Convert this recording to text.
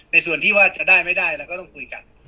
ส่วนที่ว่าจะได้ไม่ได้เราก็ต้องคุยกัน